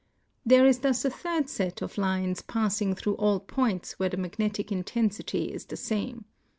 There is thus a third set of lines passing through all points where the magnetic intensity is the same.